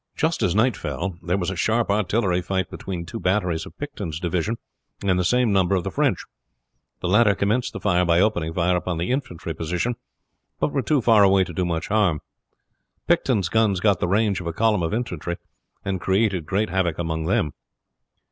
Just as night fell there was a sharp artillery fight between two batteries of Picton's division and the same number of the French. The latter commenced the fight by opening fire upon the infantry position, but were too far away to do much harm. Picton's guns got the range of a column of infantry, and created great havoc among them.